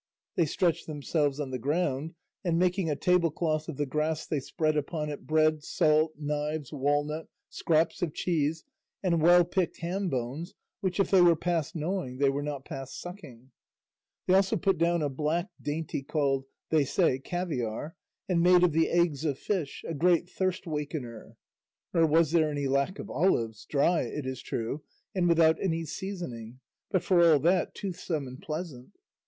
They stretched themselves on the ground, and making a tablecloth of the grass they spread upon it bread, salt, knives, walnut, scraps of cheese, and well picked ham bones which if they were past gnawing were not past sucking. They also put down a black dainty called, they say, caviar, and made of the eggs of fish, a great thirst wakener. Nor was there any lack of olives, dry, it is true, and without any seasoning, but for all that toothsome and pleasant.